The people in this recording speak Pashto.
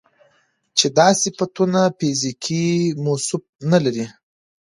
چې دا صفتونه فزيکي موصوف نه لري